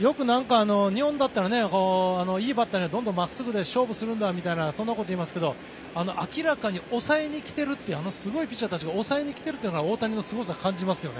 よく日本だったらいいバッターにはどんどん真っすぐで勝負するんだみたいなそんなことを言いますが明らかに抑えにきているというすごいピッチャーたちが抑えに来てるというのが大谷のすごさを感じますよね。